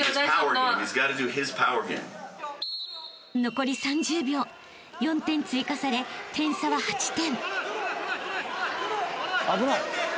［残り３０秒４点追加され点差は８点］